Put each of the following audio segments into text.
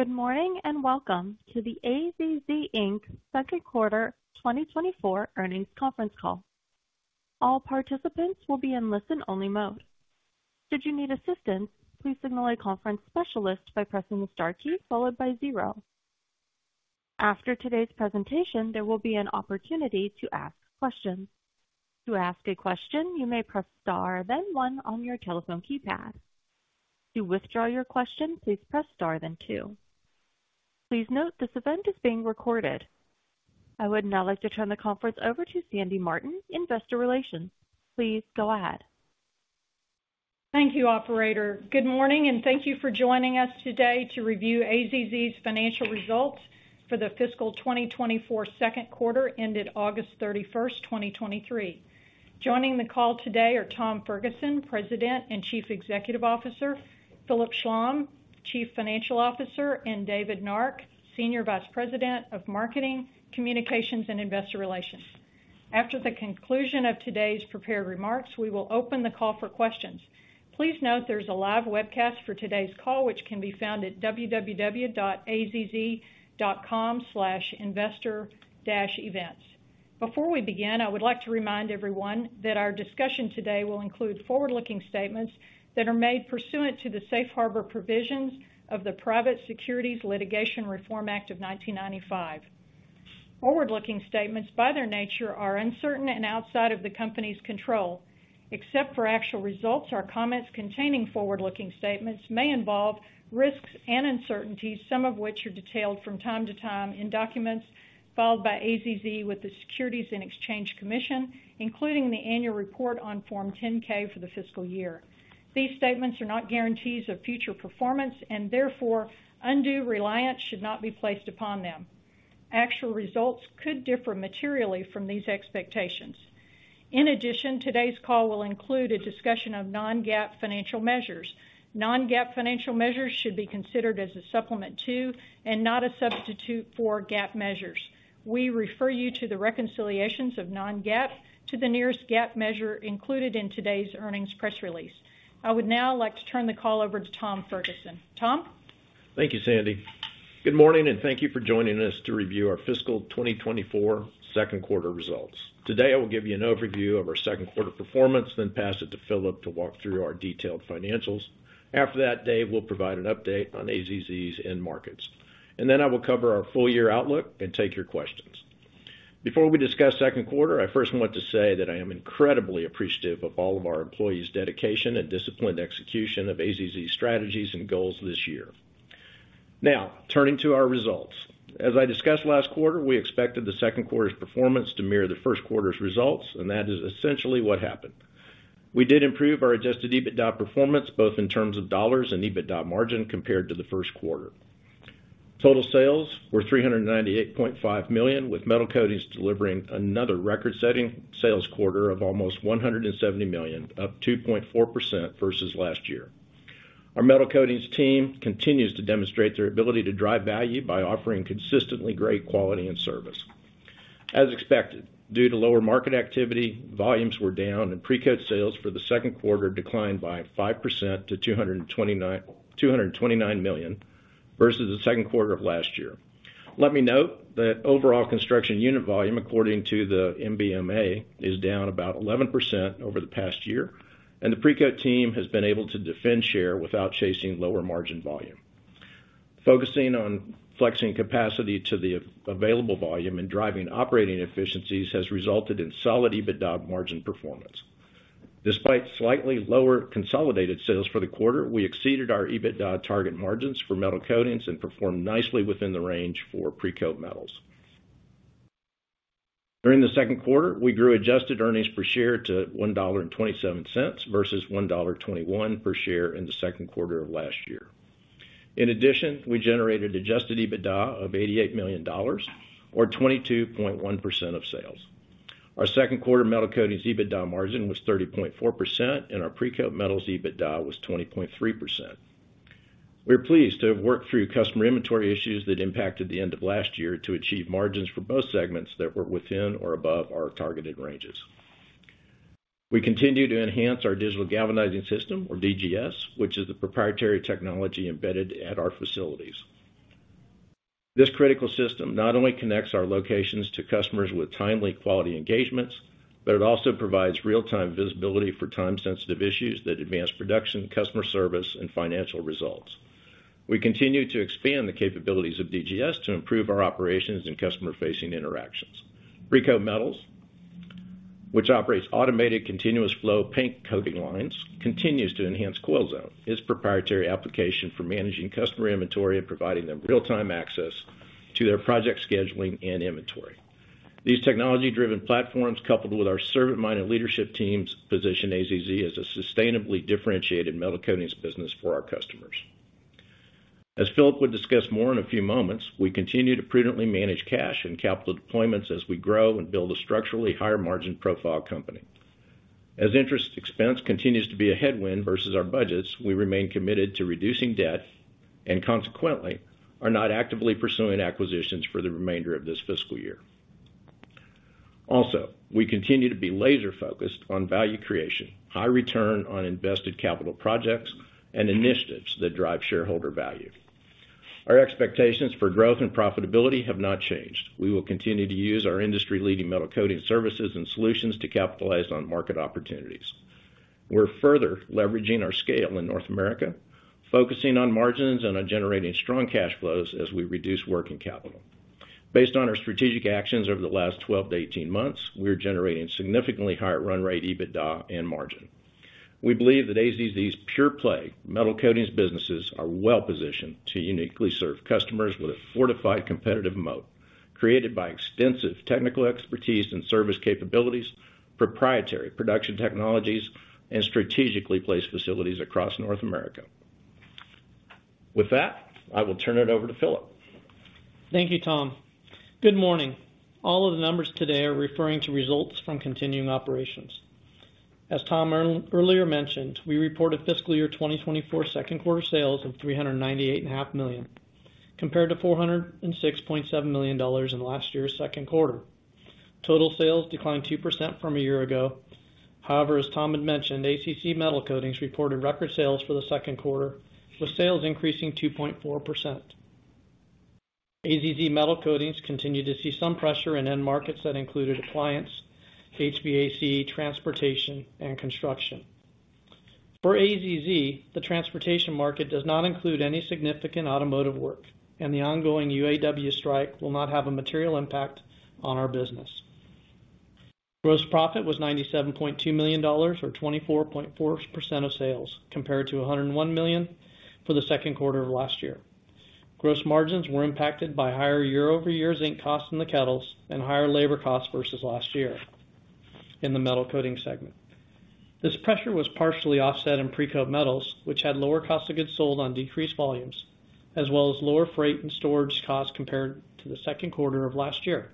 Good morning, and welcome to the AZZ Inc. Second Quarter 2024 Earnings Conference Call. All participants will be in listen-only mode. Should you need assistance, please signal a conference specialist by pressing the star key followed by zero. After today's presentation, there will be an opportunity to ask questions. To ask a question, you may press star, then one on your telephone keypad. To withdraw your question, please press star, then two. Please note, this event is being recorded. I would now like to turn the conference over to Sandy Martin, Investor Relations. Please go ahead. Thank you, operator. Good morning and thank you for joining us today to review AZZ's Financial Results for the Fiscal 2024 Second Quarter, ended August 31, 2023. Joining the call today are Tom Ferguson, President and Chief Executive Officer, Philip Schlom, Chief Financial Officer, and David Nark, Senior Vice President of Marketing, Communications, and Investor Relations. After the conclusion of today's prepared remarks, we will open the call for questions. Please note there's a live webcast for today's call, which can be found at www.azz.com/investor-events. Before we begin, I would like to remind everyone that our discussion today will include forward-looking statements that are made pursuant to the safe harbor provisions of the Private Securities Litigation Reform Act of 1995. Forward-looking statements, by their nature, are uncertain and outside of the company's control. Except for actual results, our comments containing forward-looking statements may involve risks and uncertainties, some of which are detailed from time to time in documents filed by AZZ with the Securities and Exchange Commission, including the annual report on Form 10-K for the fiscal year. These statements are not guarantees of future performance, and therefore, undue reliance should not be placed upon them. Actual results could differ materially from these expectations. In addition, today's call will include a discussion of non-GAAP financial measures. Non-GAAP financial measures should be considered as a supplement to and not a substitute for GAAP measures. We refer you to the reconciliations of non-GAAP to the nearest GAAP measure included in today's earnings press release. I would now like to turn the call over to Tom Ferguson. Tom? Thank you, Sandy. Good morning and thank you for joining us to review our fiscal 2024 second quarter results. Today, I will give you an overview of our second quarter performance, then pass it to Philip to walk through our detailed financials. After that, Dave will provide an update on AZZ's end markets, and then I will cover our full year outlook and take your questions. Before we discuss second quarter, I first want to say that I am incredibly appreciative of all of our employees' dedication and disciplined execution of AZZ strategies and goals this year. Now, turning to our results. As I discussed last quarter, we expected the second quarter's performance to mirror the first quarter's results, and that is essentially what happened. We did improve our adjusted EBITDA performance, both in terms of dollars and EBITDA margin, compared to the first quarter. Total sales were $398.5 million, with Metal Coatings delivering another record-setting sales quarter of almost $170 million, up 2.4% versus last year. Our Metal Coatings team continues to demonstrate their ability to drive value by offering consistently great quality and service. As expected, due to lower market activity, volumes were down and Precoat sales for the second quarter declined by 5% to $229 million versus the second quarter of last year. Let me note that overall construction unit volume, according to the MBMA, is down about 11% over the past year, and the Precoat team has been able to defend share without chasing lower margin volume. Focusing on flexing capacity to the available volume and driving operating efficiencies has resulted in solid EBITDA margin performance. Despite slightly lower consolidated sales for the quarter, we exceeded our EBITDA target margins for Metal Coatings and performed nicely within the range for Precoat Metals. During the second quarter, we grew adjusted earnings per share to $1.27 versus $1.21 per share in the second quarter of last year. In addition, we generated adjusted EBITDA of $88 million or 22.1% of sales. Our second quarter Metal Coatings EBITDA margin was 30.4%, and our Precoat Metals EBITDA was 20.3%. We are pleased to have worked through customer inventory issues that impacted the end of last year to achieve margins for both segments that were within or above our targeted ranges. We continue to enhance our Digital Galvanizing System, or DGS, which is the proprietary technology embedded at our facilities. This critical system not only connects our locations to customers with timely quality engagements, but it also provides real-time visibility for time-sensitive issues that advance production, customer service, and financial results. We continue to expand the capabilities of DGS to improve our operations and customer-facing interactions. Precoat Metals, which operates automated continuous flow paint coating lines, continues to enhance CoilZone, its proprietary application for managing customer inventory and providing them real-time access to their project scheduling and inventory. These technology-driven platforms, coupled with our servant-minded leadership teams, position AZZ as a sustainably differentiated Metal Coatings business for our customers. As Philip would discuss more in a few moments, we continue to prudently manage cash and capital deployments as we grow and build a structurally higher margin profile company. As interest expense continues to be a headwind versus our budgets, we remain committed to reducing debt and consequently, are not actively pursuing acquisitions for the remainder of this fiscal year. Also, we continue to be laser-focused on value creation, high return on invested capital projects, and initiatives that drive shareholder value. Our expectations for growth and profitability have not changed. We will continue to use our industry-leading metal coating services and solutions to capitalize on market opportunities. We're further leveraging our scale in North America, focusing on margins and on generating strong cash flows as we reduce working capital. Based on our strategic actions over the last 12-18 months, we're generating significantly higher run rate, EBITDA and margin. We believe that AZZ's pure-play Metal Coatings businesses are well-positioned to uniquely serve customers with a fortified competitive moat, created by extensive technical expertise and service capabilities, proprietary production technologies, and strategically placed facilities across North America. With that, I will turn it over to Philip. Thank you, Tom. Good morning. All of the numbers today are referring to results from continuing operations. As Tom earlier mentioned, we reported fiscal year 2024 second quarter sales of $398.5 million, compared to $406.7 million in last year's second quarter. Total sales declined 2% from a year ago. However, as Tom had mentioned, AZZ Metal Coatings reported record sales for the second quarter, with sales increasing 2.4%. AZZ Metal Coatings continued to see some pressure in end markets that included appliance, HVAC, transportation, and construction. For AZZ, the transportation market does not include any significant automotive work, and the ongoing UAW strike will not have a material impact on our business. Gross profit was $97.2 million, or 24.4% of sales, compared to $101 million for the second quarter of last year. Gross margins were impacted by higher year-over-year zinc costs in the kettles and higher labor costs versus last year in the Metal Coatings segment. This pressure was partially offset in Precoat Metals, which had lower cost of goods sold on decreased volumes, as well as lower freight and storage costs compared to the second quarter of last year.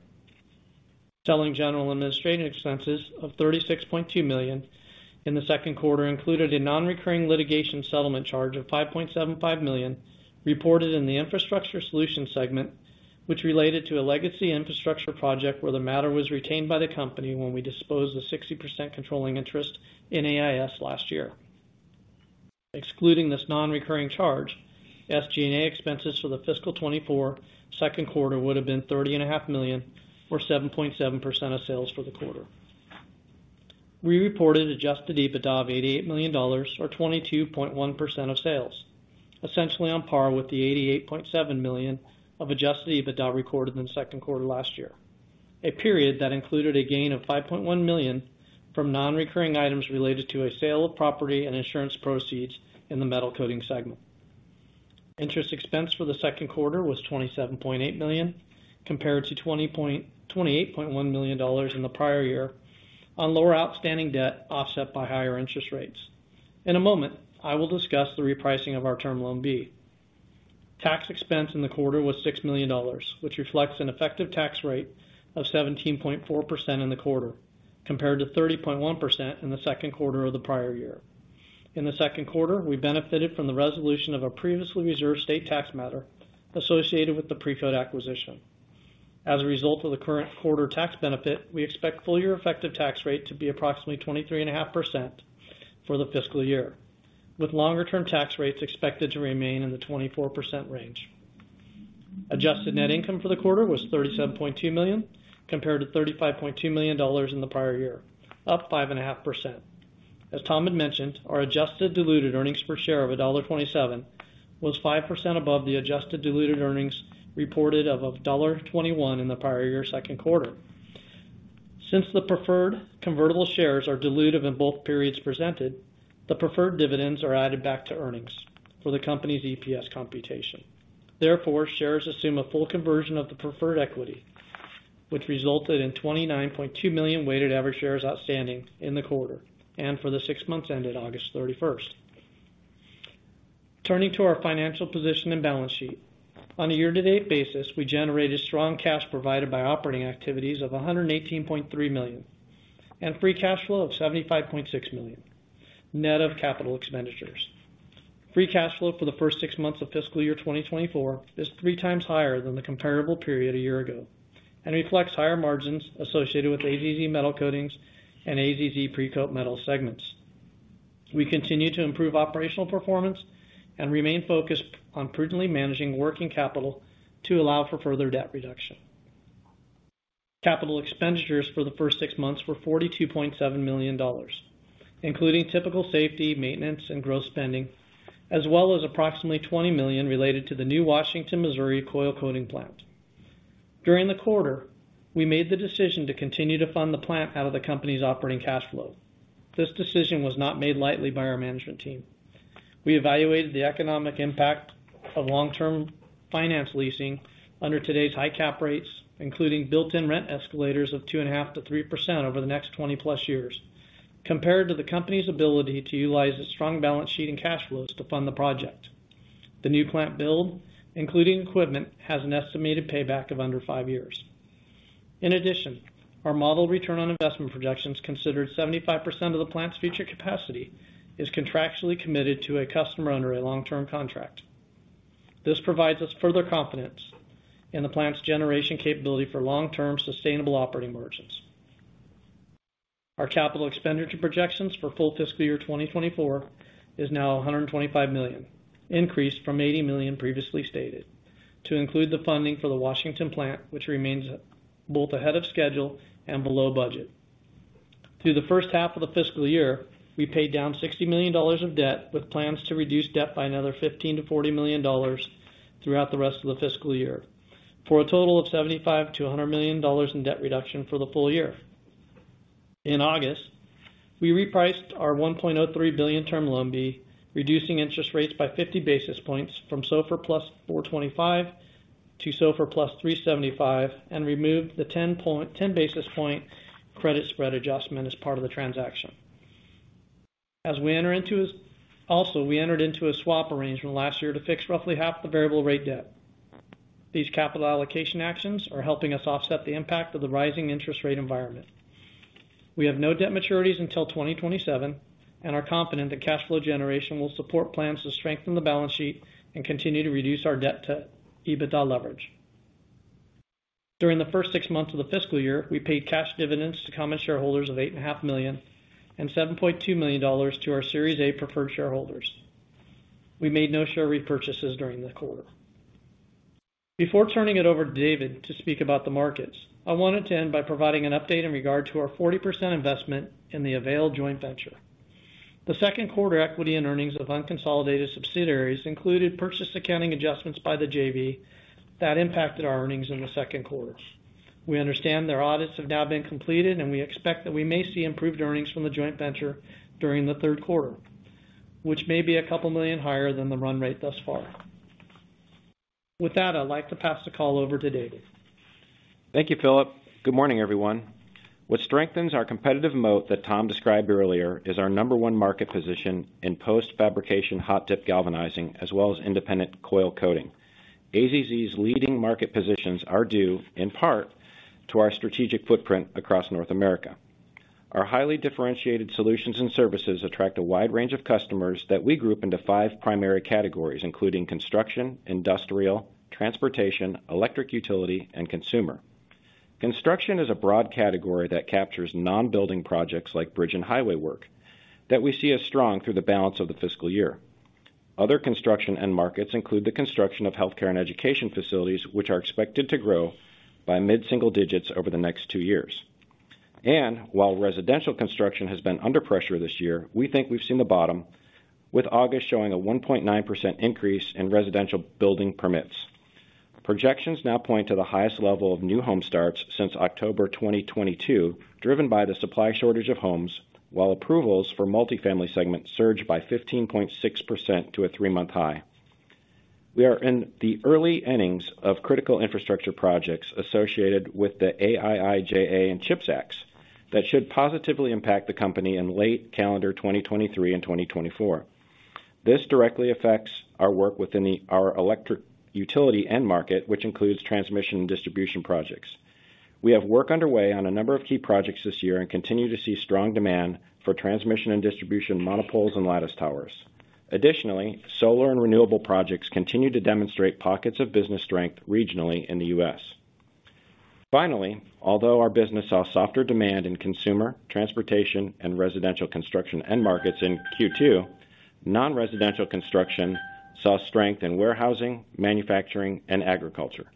Selling general administrative expenses of $36.2 million in the second quarter included a non-recurring litigation settlement charge of $5.75 million, reported in the Infrastructure Solutions segment, which related to a legacy infrastructure project where the matter was retained by the company when we disposed the 60% controlling interest in AIS last year. Excluding this non-recurring charge, SG&A expenses for the fiscal 2024 second quarter would have been $30.5 million, or 7.7% of sales for the quarter. We reported adjusted EBITDA of $88 million, or 22.1% of sales, essentially on par with the $88.7 million of adjusted EBITDA recorded in the second quarter last year, a period that included a gain of $5.1 million from non-recurring items related to a sale of property and insurance proceeds in the Metal Coatings segment. Interest expense for the second quarter was $27.8 million, compared to $28.1 million in the prior year, on lower outstanding debt, offset by higher interest rates. In a moment, I will discuss the repricing of our Term Loan B. Tax expense in the quarter was $6 million, which reflects an effective tax rate of 17.4% in the quarter, compared to 30.1% in the second quarter of the prior year. In the second quarter, we benefited from the resolution of a previously reserved state tax matter associated with the Precoat acquisition. As a result of the current quarter tax benefit, we expect full year effective tax rate to be approximately 23.5% for the fiscal year, with longer-term tax rates expected to remain in the 24% range. Adjusted net income for the quarter was $37.2 million, compared to $35.2 million in the prior year, up 5.5%. As Tom had mentioned, our adjusted diluted earnings per share of $1.27 was 5% above the adjusted diluted earnings reported of $1.21 in the prior year's second quarter. Since the preferred convertible shares are dilutive in both periods presented, the preferred dividends are added back to earnings for the company's EPS computation. Therefore, shares assume a full conversion of the preferred equity, which resulted in 29.2 million weighted average shares outstanding in the quarter and for the six months ended August 31st. Turning to our financial position and balance sheet. On a year-to-date basis, we generated strong cash provided by operating activities of $118.3 million, and free cash flow of $75.6 million, net of capital expenditures. Free cash flow for the first six months of fiscal year 2024 is three times higher than the comparable period a year ago, and reflects higher margins associated with AZZ Metal Coatings and AZZ Precoat Metals segments. We continue to improve operational performance and remain focused on prudently managing working capital to allow for further debt reduction. Capital expenditures for the first six months were $42.7 million, including typical safety, maintenance, and growth spending, as well as approximately $20 million related to the new Washington, Missouri coil coating plant. During the quarter, we made the decision to continue to fund the plant out of the company's operating cash flow. This decision was not made lightly by our management team. We evaluated the economic impact of long-term finance leasing under today's high cap rates, including built-in rent escalators of 2.5%-3% over the next 20+ years, compared to the company's ability to utilize its strong balance sheet and cash flows to fund the project. The new plant build, including equipment, has an estimated payback of under five years. In addition, our model return on investment projections considered 75% of the plant's future capacity, is contractually committed to a customer under a long-term contract. This provides us further confidence in the plant's generation capability for long-term sustainable operating margins. Our capital expenditure projections for full fiscal year 2024 is now $125 million, increased from $80 million previously stated, to include the funding for the Washington plant, which remains both ahead of schedule and below budget. Through the first half of the fiscal year, we paid down $60 million of debt, with plans to reduce debt by another $15 million-$40 million throughout the rest of the fiscal year, for a total of $75 million-$100 million in debt reduction for the full year. In August, we repriced our $1.03 billion Term Loan B, reducing interest rates by 50 basis points from SOFR plus 4.25 to SOFR plus 3.75, and removed the 10 basis point credit spread adjustment as part of the transaction. Also, we entered into a swap arrangement last year to fix roughly half the variable rate debt. These capital allocation actions are helping us offset the impact of the rising interest rate environment. We have no debt maturities until 2027 and are confident that cash flow generation will support plans to strengthen the balance sheet and continue to reduce our debt to EBITDA leverage. During the first six months of the fiscal year, we paid cash dividends to common shareholders of $8.5 million and $7.2 million to our Series A preferred shareholders. We made no share repurchases during the quarter. Before turning it over to David to speak about the markets, I wanted to end by providing an update in regard to our 40% investment in the Avail joint venture. The second quarter equity and earnings of unconsolidated subsidiaries included purchase accounting adjustments by the JV that impacted our earnings in the second quarter. We understand their audits have now been completed, and we expect that we may see improved earnings from the joint venture during the third quarter, which may be $2 million higher than the run rate thus far. With that, I'd like to pass the call over to David. Thank you, Philip. Good morning, everyone. What strengthens our competitive moat that Tom described earlier is our number one market position in post-fabrication hot-dip galvanizing, as well as independent coil coating. AZZ's leading market positions are due, in part, to our strategic footprint across North America. Our highly differentiated solutions and services attract a wide range of customers that we group into five primary categories, including construction, industrial, transportation, electric utility, and consumer. Construction is a broad category that captures non-building projects like bridge and highway work, that we see as strong through the balance of the fiscal year. Other construction end markets include the construction of healthcare and education facilities, which are expected to grow by mid-single digits over the next two years. While residential construction has been under pressure this year, we think we've seen the bottom, with August showing a 1.9% increase in residential building permits. Projections now point to the highest level of new home starts since October 2022, driven by the supply shortage of homes, while approvals for multifamily segment surged by 15.6% to a three-month high. We are in the early innings of critical infrastructure projects associated with the IIJA] and CHIPS Acts, that should positively impact the company in late calendar 2023 and 2024. This directly affects our work within our electric utility end market, which includes transmission and distribution projects. We have work underway on a number of key projects this year and continue to see strong demand for transmission and distribution monopoles and lattice towers. Additionally, solar and renewable projects continue to demonstrate pockets of business strength regionally in the U.S. Finally, although our business saw softer demand in consumer, transportation, and residential construction end markets in Q2, non-residential construction saw strength in warehousing, manufacturing, and agriculture.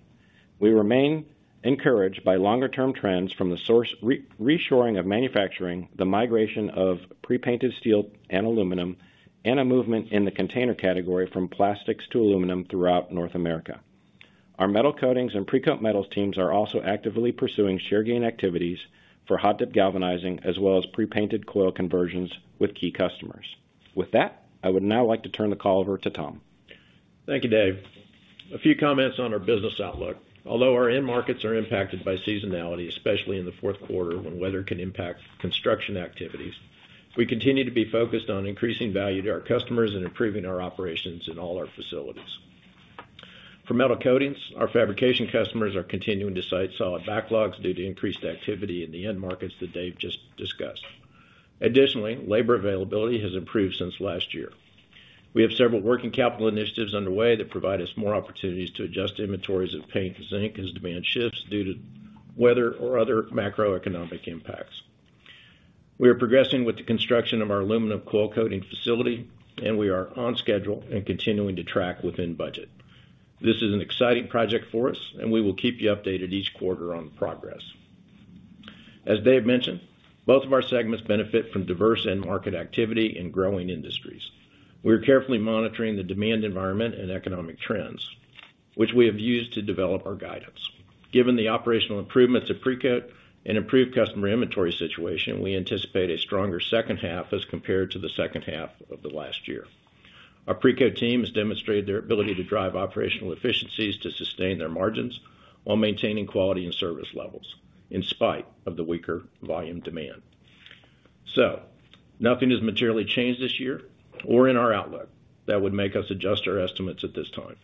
We remain encouraged by longer-term trends from the source re-reshoring of manufacturing, the migration of pre-painted steel and aluminum, and a movement in the container category from plastics to aluminum throughout North America. Our metal coatings and Precoat Metals teams are also actively pursuing share gain activities for hot-dip galvanizing, as well as pre-painted coil conversions with key customers. With that, I would now like to turn the call over to Tom. Thank you, Dave. A few comments on our business outlook. Although our end markets are impacted by seasonality, especially in the fourth quarter, when weather can impact construction activities, we continue to be focused on increasing value to our customers and improving our operations in all our facilities. For Metal Coatings, our fabrication customers are continuing to cite solid backlogs due to increased activity in the end markets that Dave just discussed. Additionally, labor availability has improved since last year. We have several working capital initiatives underway that provide us more opportunities to adjust inventories of paint and zinc as demand shifts due to weather or other macroeconomic impacts. We are progressing with the construction of our aluminum coil coating facility, and we are on schedule and continuing to track within budget. This is an exciting project for us, and we will keep you updated each quarter on the progress. As Dave mentioned, both of our segments benefit from diverse end market activity in growing industries. We are carefully monitoring the demand, environment, and economic trends, which we have used to develop our guidance. Given the operational improvements of Precoat and improved customer inventory situation, we anticipate a stronger second half as compared to the second half of the last year. Our Precoat team has demonstrated their ability to drive operational efficiencies to sustain their margins while maintaining quality and service levels, in spite of the weaker volume demand. So nothing has materially changed this year or in our outlook that would make us adjust our estimates at this time.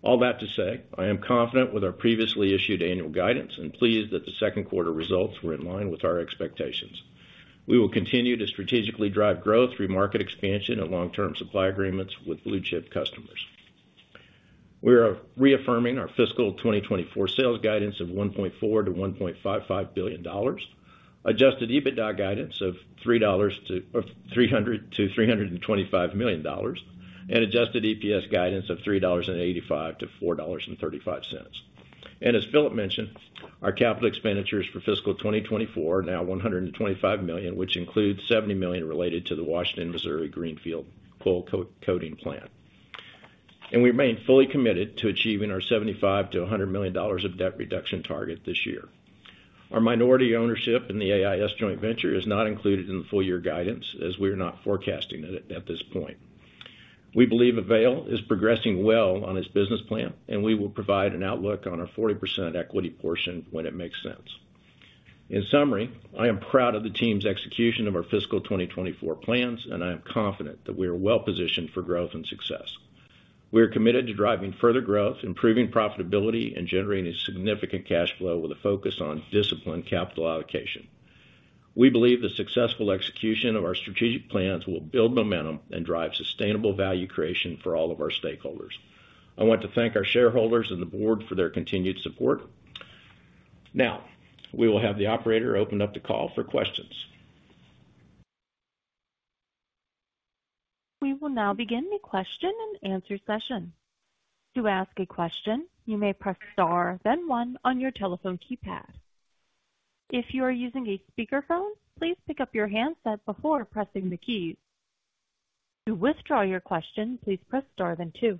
All that to say, I am confident with our previously issued annual guidance and pleased that the second quarter results were in line with our expectations. We will continue to strategically drive growth through market expansion and long-term supply agreements with blue chip customers. We are reaffirming our fiscal 2024 sales guidance of $1.4 billion-$1.55 billion, adjusted EBITDA guidance of $300-$325 million, and adjusted EPS guidance of $3.85-$4.35. And as Philip mentioned, our capital expenditures for fiscal 2024 are now $125 million, which includes $70 million related to the Washington, Missouri, greenfield coil coating plant. And we remain fully committed to achieving our $75-$100 million of debt reduction target this year. Our minority ownership in the AIS joint venture is not included in the full year guidance, as we are not forecasting it at this point. We believe Avail is progressing well on its business plan, and we will provide an outlook on our 40% equity portion when it makes sense. In summary, I am proud of the team's execution of our fiscal 2024 plans, and I am confident that we are well positioned for growth and success. We are committed to driving further growth, improving profitability, and generating significant cash flow with a focus on disciplined capital allocation. We believe the successful execution of our strategic plans will build momentum and drive sustainable value creation for all of our stakeholders. I want to thank our shareholders and the board for their continued support. Now, we will have the operator open up the call for questions. We will now begin the question and answer session. To ask a question, you may press star, then one on your telephone keypad. If you are using a speakerphone, please pick up your handset before pressing the keys. To withdraw your question, please press star, then two.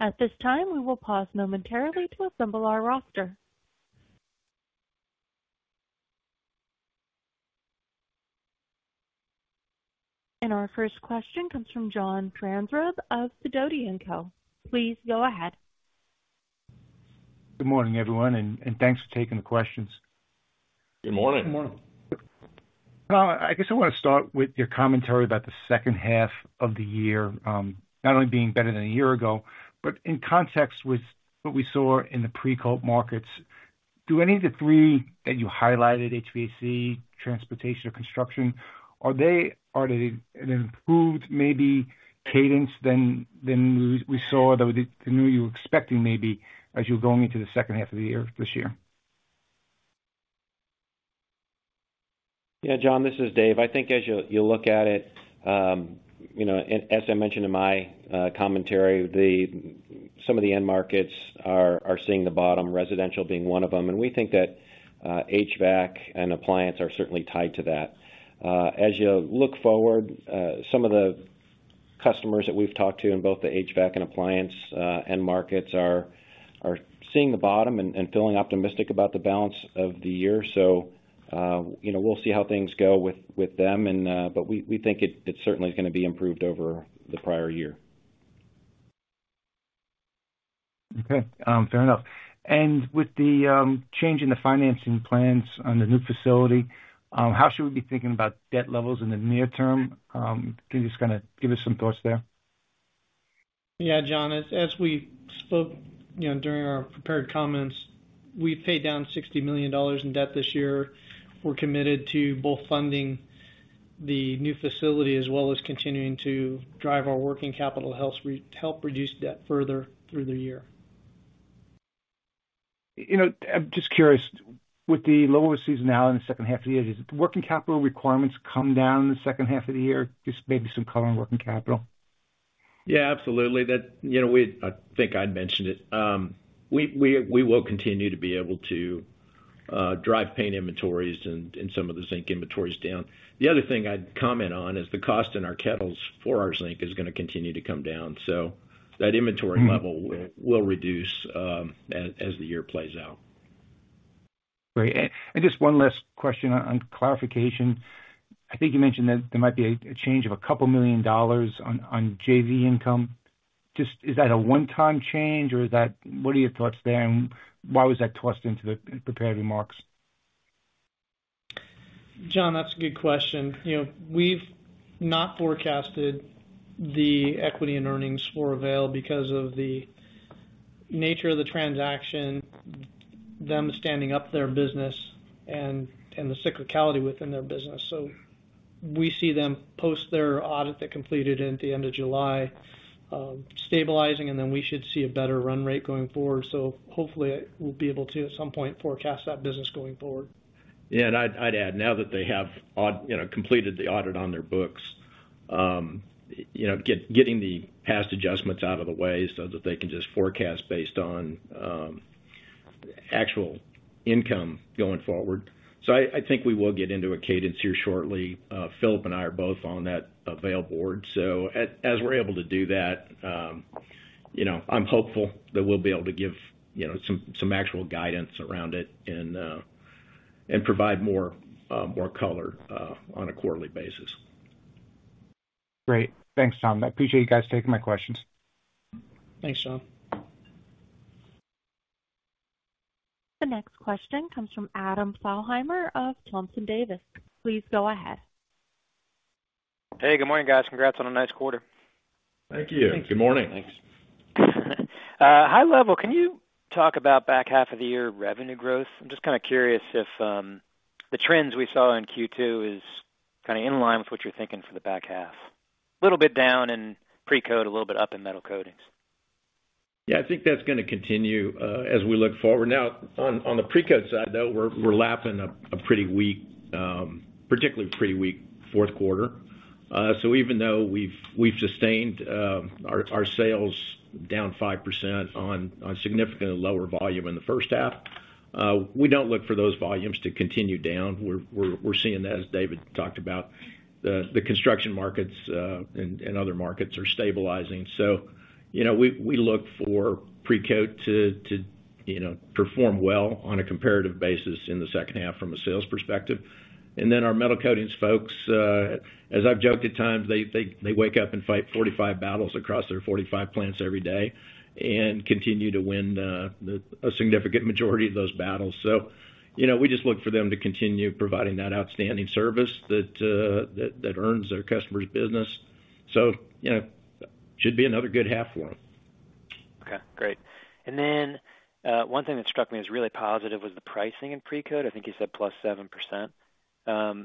At this time, we will pause momentarily to assemble our roster. Our first question comes from John Franzreb of Sidoti & Co. Please go ahead. Good morning, everyone, and thanks for taking the questions. Good morning. Good morning. I guess I want to start with your commentary about the second half of the year, not only being better than a year ago, but in context with what we saw in the pre-coat markets. Do any of the three that you highlighted, HVAC, transportation, or construction, are they an improved maybe cadence than we saw than you were expecting, maybe, as you're going into the second half of the year, this year? Yeah, John, this is Dave. I think as you'll look at it, you know, and as I mentioned in my commentary, some of the end markets are seeing the bottom, residential being one of them. And we think that HVAC and appliance are certainly tied to that. As you look forward, some of the customers that we've talked to in both the HVAC and appliance end markets are seeing the bottom and feeling optimistic about the balance of the year. So, you know, we'll see how things go with them and, but we think it certainly is gonna be improved over the prior year. Okay, fair enough. With the change in the financing plans on the new facility, how should we be thinking about debt levels in the near term? Can you just kinda give us some thoughts there? Yeah, John, as we spoke, you know, during our prepared comments, we've paid down $60 million in debt this year. We're committed to both funding the new facility as well as continuing to drive our working capital health to help reduce debt further through the year. You know, I'm just curious, with the lower seasonality in the second half of the year, does the working capital requirements come down in the second half of the year? Just maybe some color on working capital. Yeah, absolutely. That, you know, we, I think I'd mentioned it. We will continue to be able to drive paint inventories and some of the zinc inventories down. The other thing I'd comment on is the cost in our kettles for our zinc is gonna continue to come down, so that inventory level. Mm-hmm. Will reduce as the year plays out. Great. Just one last question on clarification. I think you mentioned that there might be a change of a couple million dollars on JV income. Is that a one-time change or is that, what are your thoughts there, and why was that tossed into the prepared remarks? John, that's a good question. You know, we've not forecasted the equity and earnings for Avail because of the nature of the transaction, them standing up their business and the cyclicality within their business. So, we see them post their audit that completed at the end of July, stabilizing, and then we should see a better run rate going forward. So hopefully, we'll be able to, at some point, forecast that business going forward. Yeah, and I'd add, now that they have you know, completed the audit on their books, you know, getting the past adjustments out of the way so that they can just forecast based on actual income going forward. So, I think we will get into a cadence here shortly. Philip and I are both on that Avail board, so as we're able to do that, you know, I'm hopeful that we'll be able to give you know, some actual guidance around it and provide more color on a quarterly basis. Great. Thanks, Tom. I appreciate you guys taking my questions. Thanks, John. The next question comes from Adam Thalhimer of Thompson Davis. Please go ahead. Hey, good morning, guys. Congrats on a nice quarter! Thank you. Thank you. Good morning. Thanks. High level, can you talk about back half of the year revenue growth? I'm just kind of curious if the trends we saw in Q2 is kind of in line with what you're thinking for the back half. A little bit down in Precoat, a little bit up in Metal Coatings. Yeah, I think that's gonna continue as we look forward. Now on the Precoat side, though, we're lapping a pretty weak, particularly pretty weak fourth quarter. Even though we've sustained our sales down 5% on significantly lower volume in the first half, we don't look for those volumes to continue down. We're seeing that, as David talked about, the construction markets and other markets are stabilizing. You know, we look for Precoat to perform well on a comparative basis in the second half from a sales perspective. Then our Metal Coatings folks, as I've joked at times, they wake up and fight 45 battles across their 45 plants every day and continue to win a significant majority of those battles. So, you know, we just look for them to continue providing that outstanding service that earns their customers' business. So, you know, should be another good half for them. Okay, great. And then, one thing that struck me as really positive was the pricing in Precoat. I think you said +7%.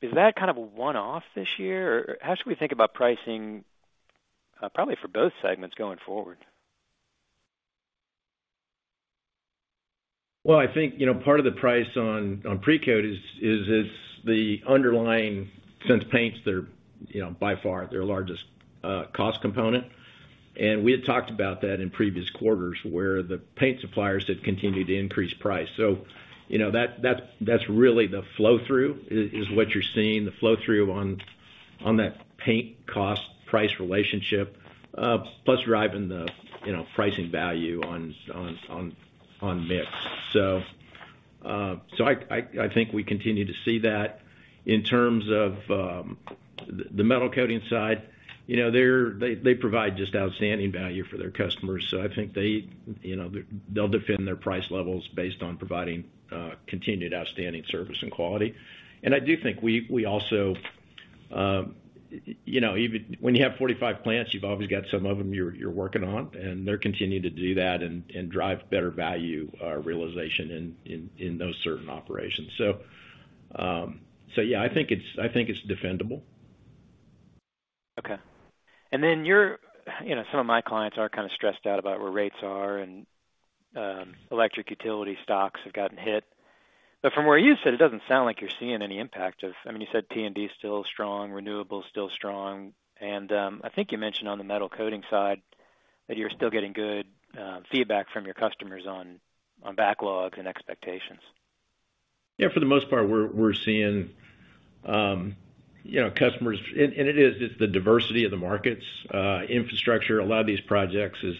Is that kind of a one-off this year? Or how should we think about pricing, probably for both segments going forward? Well, I think, you know, part of the price on Precoat is it's the underlying, since paints, they're, you know, by far their largest cost component. And we had talked about that in previous quarters, where the paint suppliers had continued to increase price. So, you know, that, that's really the flow-through is what you're seeing, the flow-through on that paint cost-price relationship, plus driving the, you know, pricing value on mix. So I think we continue to see that. In terms of the Metal Coatings side, you know, they provide just outstanding value for their customers, so I think they, you know, they'll defend their price levels based on providing continued outstanding service and quality. And I do think we also, you know, even when you have 45 plants, you've always got some of them you're working on, and they're continuing to do that and drive better value realization in those certain operations. So, yeah, I think it's defendable. Okay. Then you're, you know, some of my clients are kind of stressed out about where rates are, and electric utility stocks have gotten hit. But from where you sit, it doesn't sound like you're seeing any impact of, I mean, you said T&D is still strong, renewable is still strong, and I think you mentioned on the Metal Coatings side that you're still getting good feedback from your customers on backlogs and expectations. Yeah, for the most part, we're seeing, you know, customers. And it is, it's the diversity of the markets, infrastructure. A lot of these projects is,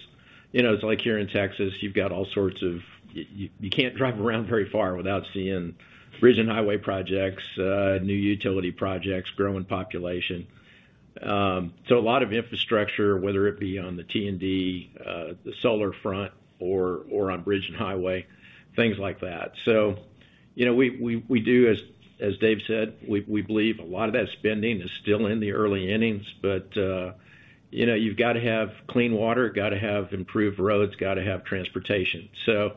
you know, it's like here in Texas, you've got all sorts of... You can't drive around very far without seeing bridge and highway projects, new utility projects, growing population. So a lot of infrastructure, whether it be on the T&D, the solar front or on bridge and highway, things like that. So, you know, we do, as Dave said, we believe a lot of that spending is still in the early innings, but, you know, you've got to have clean water, you've got to have improved roads, got to have transportation. So,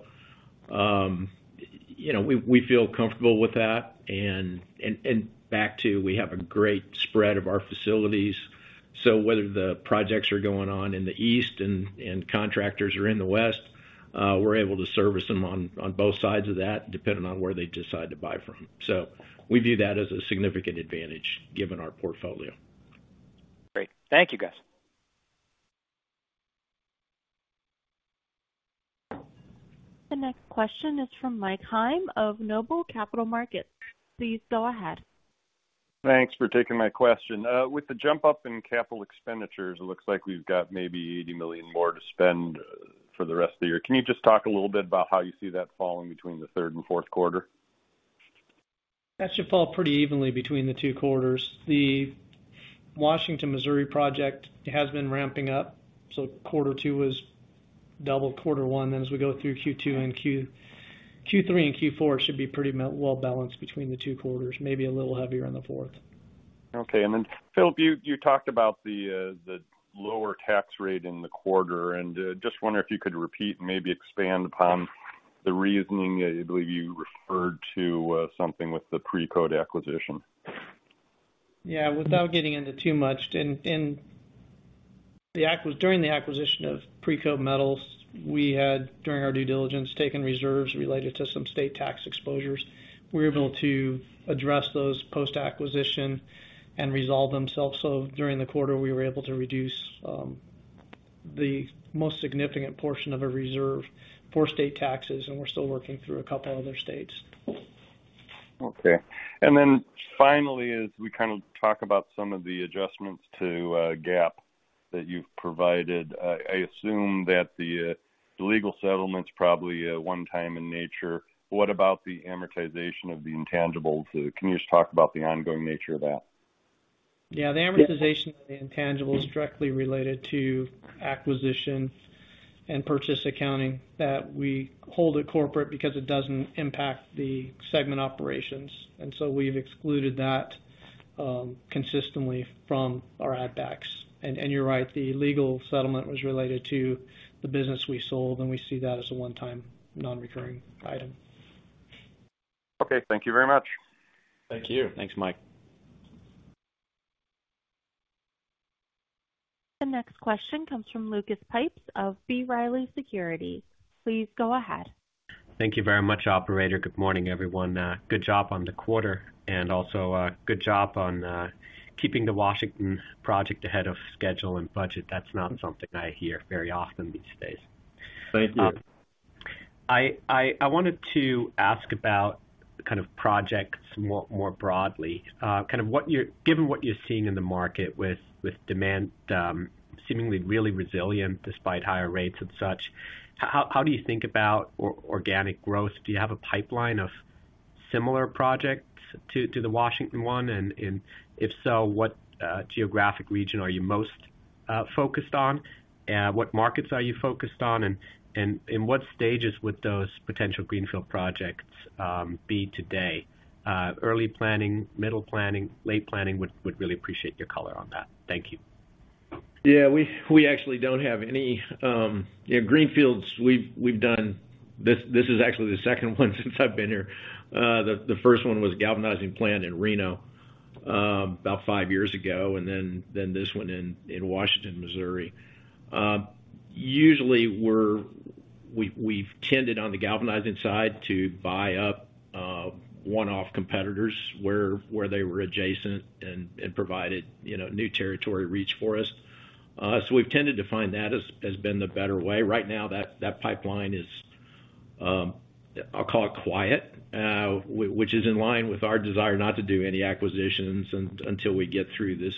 you know, we feel comfortable with that. And back to we have a great spread of our facilities. So whether the projects are going on in the East and contractors are in the West, we're able to service them on both sides of that, depending on where they decide to buy from. So we view that as a significant advantage, given our portfolio. Great. Thank you, guys. The next question is from Mike Heim of Noble Capital Markets. Please go ahead. Thanks for taking my question. With the jump up in capital expenditures, it looks like we've got maybe $80 million more to spend for the rest of the year. Can you just talk a little bit about how you see that falling between the third and fourth quarter? That should fall pretty evenly between the two quarters. The Washington, Missouri project has been ramping up, so quarter two was double quarter one. Then as we go through Q2 and Q3 and Q4, it should be pretty well balanced between the two quarters, maybe a little heavier on the fourth. Okay. Philip, you talked about the lower tax rate in the quarter, and I just wonder if you could repeat and maybe expand upon the reasoning. I believe you referred to something with the Precoat acquisition. Yeah, without getting into too much, during the acquisition of Precoat Metals, we had, during our due diligence, taken reserves related to some state tax exposures. We were able to address those post-acquisition and resolve themselves. So during the quarter, we were able to reduce the most significant portion of a reserve for state taxes, and we're still working through a couple other states. Okay. And then finally, as we kind of talk about some of the adjustments to GAAP that you've provided, I assume that the legal settlement's probably one time in nature. What about the amortization of the intangibles? Can you just talk about the ongoing nature of that? Yeah, the amortization of the intangibles is directly related to acquisition and purchase accounting that we hold at corporate because it doesn't impact the segment operations. And so we've excluded that consistently from our add backs. And you're right, the legal settlement was related to the business we sold, and we see that as a one-time nonrecurring item. Okay, thank you very much. Thank you. Thanks, Mike. The next question comes from Lucas Pipes of B. Riley Securities. Please go ahead. Thank you very much, operator. Good morning, everyone. Good job on the quarter, and also, good job on, keeping the Washington project ahead of schedule and budget. That's not something I hear very often these days. Thank you. I wanted to ask about kind of projects more broadly. Kind of what you're given what you're seeing in the market with demand seemingly really resilient despite higher rates and such, how do you think about organic growth? Do you have a pipeline of similar projects to the Washington one? And if so, what geographic region are you most focused on? What markets are you focused on, and in what stages would those potential greenfield projects be today? Early planning, middle planning, late planning? Would really appreciate your color on that. Thank you. Yeah, we actually don't have any. Yeah, greenfields, we've done this, this is actually the second one since I've been here. The first one was galvanizing plant in Reno, about five years ago, and then this one in Washington, Missouri. Usually, we've tended on the galvanizing side to buy up one-off competitors where they were adjacent and provided, you know, new territory reach for us. So we've tended to find that that's been the better way. Right now, that pipeline is, I'll call it quiet, which is in line with our desire not to do any acquisitions until we get through this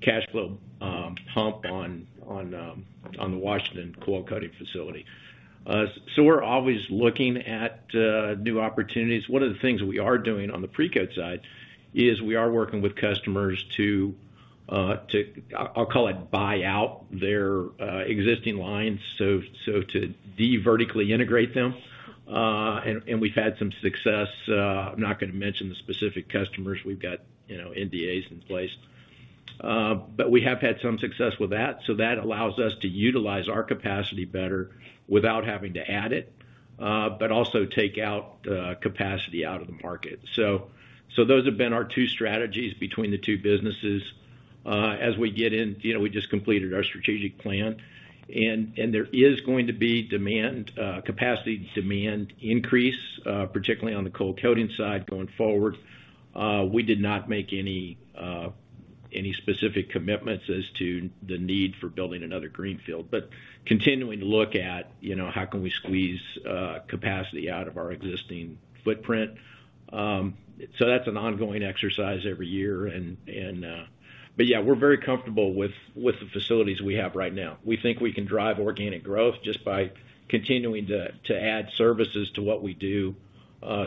cash flow hump on the Washington coil coating facility. So we're always looking at new opportunities. One of the things we are doing on the Precoat side is we are working with customers to, I'll call it, buy out their existing lines, so to de-vertically integrate them. And we've had some success. I'm not gonna mention the specific customers. We've got, you know, NDAs in place. But we have had some success with that, so that allows us to utilize our capacity better without having to add it but also take out capacity out of the market. Those have been our two strategies between the two businesses. As we get in, you know, we just completed our strategic plan, and there is going to be demand, capacity demand increase, particularly on the Coil Coating side going forward. We did not make any specific commitments as to the need for building another greenfield, but continuing to look at, you know, how can we squeeze capacity out of our existing footprint. So that's an ongoing exercise every year. But yeah, we're very comfortable with the facilities we have right now. We think we can drive organic growth just by continuing to add services to what we do.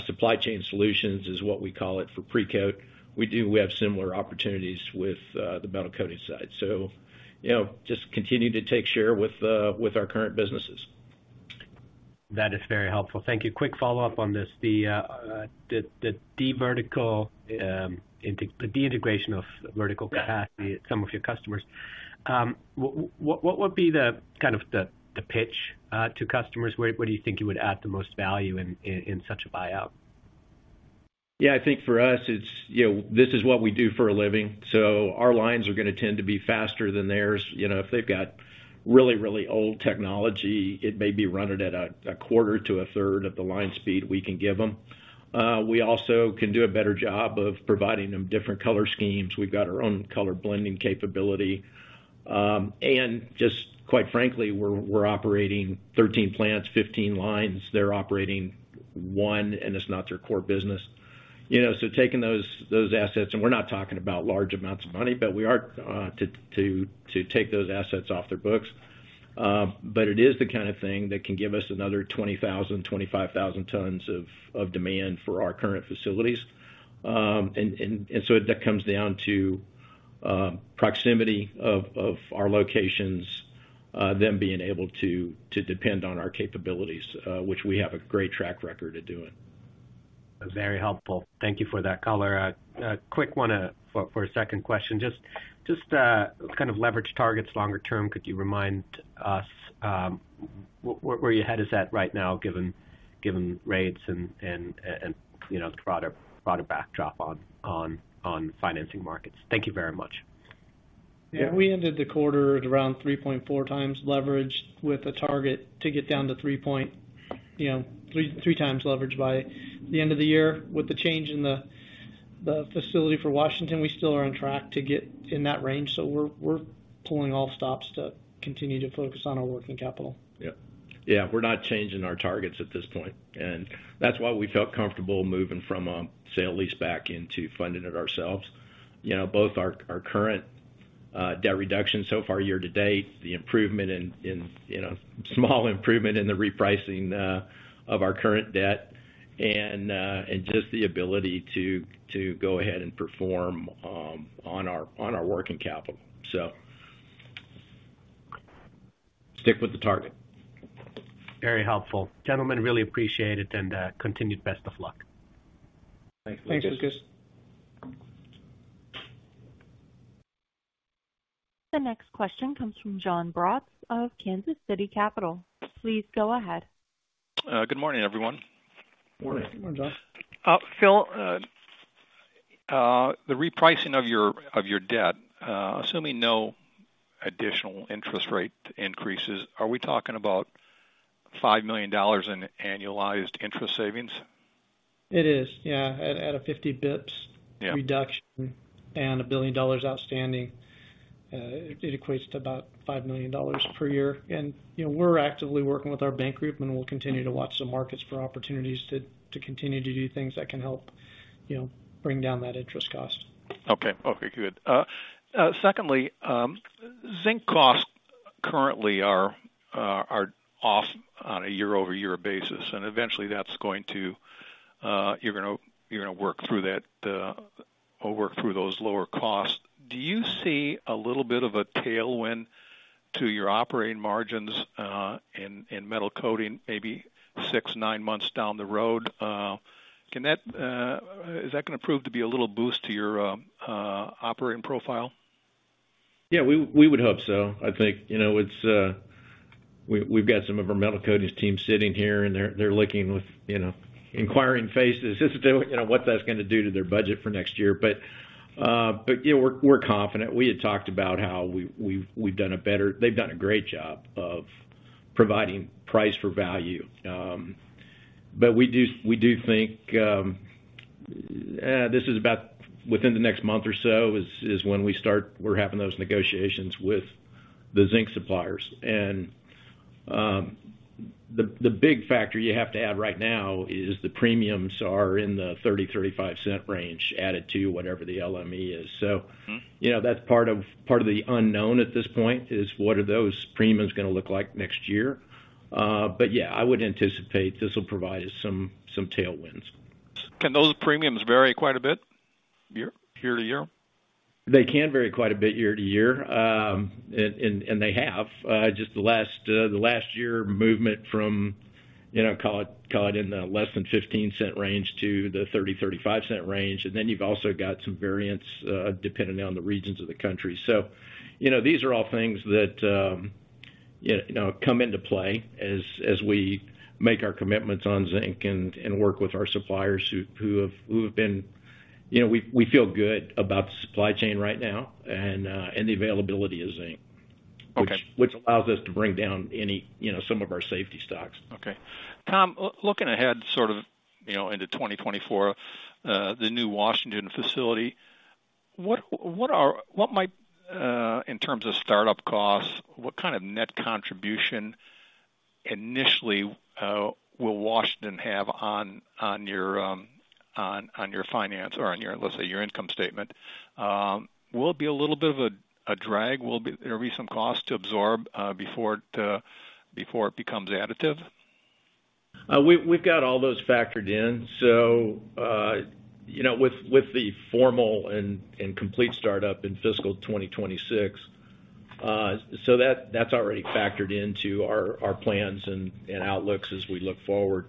Supply chain solutions is what we call it for Precoat. We have similar opportunities with the Metal Coatings side. So, you know, just continue to take share with our current businesses. That is very helpful. Thank you. Quick follow-up on this. The de-integration of vertical capacity. Yeah At some of your customers. What would be the kind of pitch to customers? Where do you think you would add the most value in such a buyout? Yeah, I think for us, it's, you know, this is what we do for a living, so our lines are gonna tend to be faster than theirs. You know, if they've got really, really old technology, it may be running at a quarter to a third of the line speed we can give them. We also can do a better job of providing them different color schemes. We've got our own color blending capability. And just quite frankly, we're operating 13 plants, 15 lines. They're operating one, and it's not their core business. You know, so taking those assets, and we're not talking about large amounts of money, but we are, to take those assets off their books. But it is the kind of thing that can give us another 20,000-25,000 tons of demand for our current facilities. And so that comes down to proximity of our locations, them being able to depend on our capabilities, which we have a great track record of doing. Very helpful. Thank you for that color. A quick one for a second question. Just kind of leverage targets longer term, could you remind us where your head is at right now, given rates and you know, the broader backdrop on financing markets? Thank you very much. Yeah, we ended the quarter at around 3.4 times leverage with a target to get down to 3.3, you know, times leverage by the end of the year. With the change in the, the facility for Washington, we still are on track to get in that range, so we're, we're pulling all stops to continue to focus on our working capital. Yep. Yeah, we're not changing our targets at this point, and that's why we felt comfortable moving from a sale lease back into funding it ourselves. You know, both our current debt reduction so far year to date, the improvement in you know small improvement in the repricing of our current debt. And just the ability to go ahead and perform on our working capital. So stick with the target. Very helpful. Gentlemen, really appreciate it, and continued best of luck. Thanks. Thanks, Lucas. The next question comes from John Braatz of Kansas City Capital. Please go ahead. Good morning, everyone. Morning. Good morning, John. Phil, the repricing of your debt, assuming no additional interest rate increases, are we talking about $5 million in annualized interest savings? It is, yeah, at 50 bps. Yeah Reduction and $1 billion outstanding, it equates to about $5 million per year. And, you know, we're actively working with our bank group, and we'll continue to watch the markets for opportunities to continue to do things that can help, you know, bring down that interest cost. Okay. Okay, good. Secondly, zinc costs currently are off on a year-over-year basis, and eventually that's going to, you're gonna work through that, or work through those lower costs. Do you see a little bit of a tailwind to your operating margins in metal coating, maybe six, nine months down the road? Is that gonna prove to be a little boost to your operating profile? Yeah, we would hope so. I think, you know, it's, we, we've got some of our Metal Coatings team sitting here, and they're, they're looking with, you know, inquiring faces as to, you know, what that's gonna do to their budget for next year. Yeah, we're, we're confident. We had talked about how we've done a better, they've done a great job of providing price for value. We do, we do think this is about within the next month or so, is, is when we start. We're having those negotiations with the zinc suppliers. The big factor you have to add right now is the premiums are in the $0.30-$0.35 range, added to whatever the LME is. Mm-hmm. So, you know, that's part of the unknown at this point, is what are those premiums gonna look like next year? But yeah, I would anticipate this will provide us some tailwinds. Can those premiums vary quite a bit year to year? They can vary quite a bit year to year. And they have. Just the last year movement from, you know, call it in the less than $0.15 range to the $0.30-$0.35 range. And then you've also got some variance, depending on the regions of the country. So, you know, these are all things that, you know, come into play as we make our commitments on zinc and work with our suppliers who have been, you know, we feel good about the supply chain right now and the availability of zinc. Okay. Which allows us to bring down any, you know, some of our safety stocks. Okay. Tom, looking ahead, sort of, you know, into 2024, the new Washington facility, what might, in terms of startup costs, what kind of net contribution initially will Washington have on your finance or on your, let's say, your income statement? Will it be a little bit of a drag? Will there be some cost to absorb before it becomes additive? We've got all those factored in. So, you know, with the formal and complete startup in fiscal 2026, so that's already factored into our plans and outlooks as we look forward.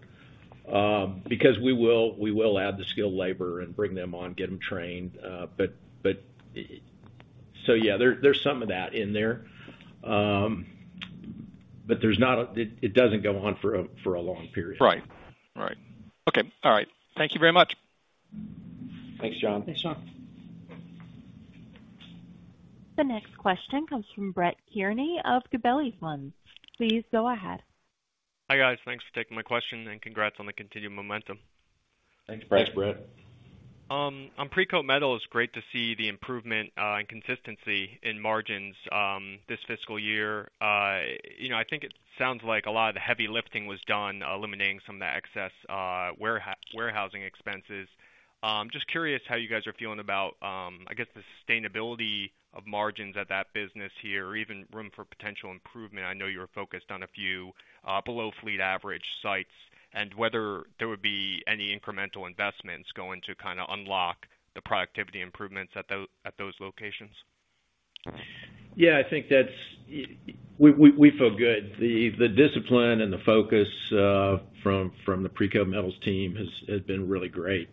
Because we will add the skilled labor and bring them on, get them trained. But so yeah, there's some of that in there. But there's not, it doesn't go on for a long period. Right. Right. Okay. All right. Thank you very much. Thanks, John. Thanks, John. The next question comes from Brett Kearney of Gabelli Funds. Please go ahead. Hi, guys. Thanks for taking my question, and congrats on the continued momentum. Thanks, Brett. Thanks, Brett. On Precoat Metals, it's great to see the improvement, and consistency in margins, this fiscal year. You know, I think it sounds like a lot of the heavy lifting was done, eliminating some of the excess, warehouse, warehousing expenses. Just curious how you guys are feeling about, I guess, the sustainability of margins at that business here, or even room for potential improvement. I know you were focused on a few, below fleet average sites, and whether there would be any incremental investments going to kind of unlock the productivity improvements at at those locations. Yeah, I think that's. We feel good. The discipline and the focus from the Precoat Metals team has been really great.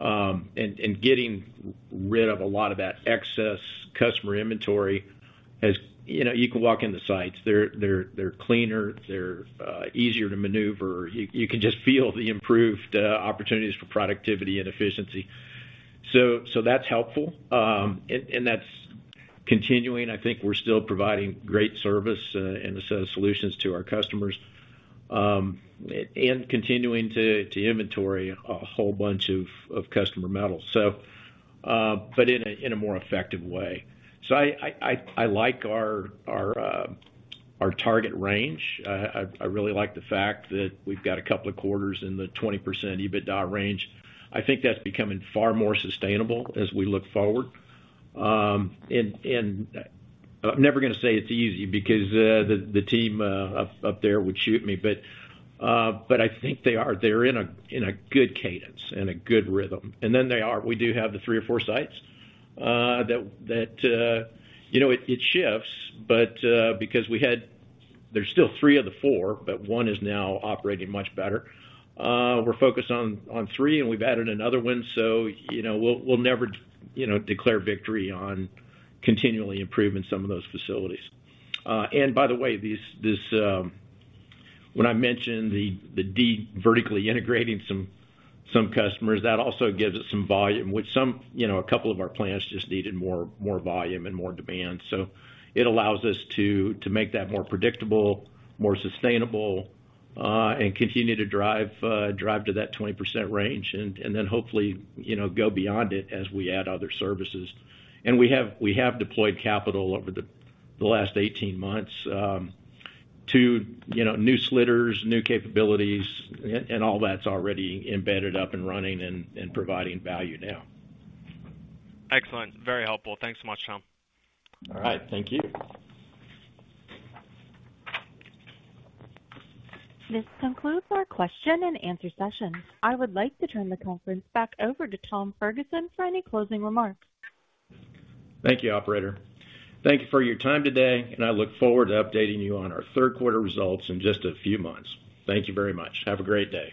And getting rid of a lot of that excess customer inventory has you know, you can walk in the sites. They're cleaner. They're easier to maneuver. You can just feel the improved opportunities for productivity and efficiency. So that's helpful. And that's continuing. I think we're still providing great service and a set of solutions to our customers and continuing to inventory a whole bunch of customer metals, so but in a more effective way. So, I like our target range. I really like the fact that we've got a couple of quarters in the 20% EBITDA range. I think that's becoming far more sustainable as we look forward. And I'm never gonna say it's easy, because the team up there would shoot me. But I think they are. They're in a good cadence and a good rhythm. And then they are. We do have the three or four sites that you know, it shifts, but because we had, there's still three of the four, but one is now operating much better. We're focused on three, and we've added another one, so you know, we'll never declare victory on continually improving some of those facilities. And by the way, these, this, when I mentioned the vertically integrating some customers, that also gives us some volume, which, you know, a couple of our plants just needed more volume and more demand. So, it allows us to make that more predictable, more sustainable, and continue to drive to that 20% range and then hopefully, you know, go beyond it as we add other services. And we have deployed capital over the last 18 months to, you know, new slitters, new capabilities, and all that's already embedded, up and running and providing value now. Excellent. Very helpful. Thanks so much, Tom. All right. Thank you. This concludes our question and answer session. I would like to turn the conference back over to Tom Ferguson for any closing remarks. Thank you, operator. Thank you for your time today, and I look forward to updating you on our third quarter results in just a few months. Thank you very much. Have a great day.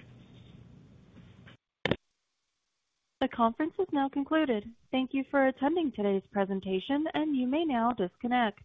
The conference is now concluded. Thank you for attending today's presentation, and you may now disconnect.